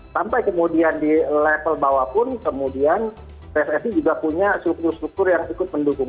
sampai kemudian di level bawah pun kemudian pssi juga punya struktur struktur yang ikut mendukung